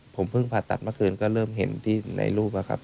ผมเพิ่งผ่าตัดเมื่อคืนก็เริ่มเห็นที่ในรูปนะครับ